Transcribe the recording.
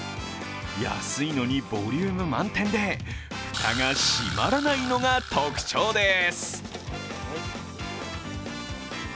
安いのにボリューム満点で蓋が閉まらないのが特徴です。